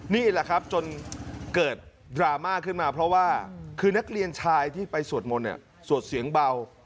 นี่แหละครับจนเกิดดราม่าขึ้นมาเพราะว่าคือนักเรียนชายที่ไปสวดมนต์เนี่ยสวดเสียงเบา